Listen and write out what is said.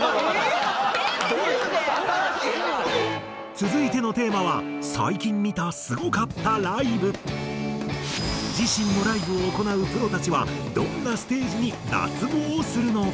続いてのテーマは自身もライブを行うプロたちはどんなステージに脱帽するのか？